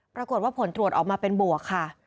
ปรากฏว่าผลตรวจออกมาเป็นบวกค่ะ